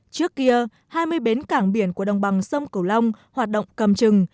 trước kia hai mươi bến cảng biển của đồng bằng sông cửu long hoạt động cầm chừng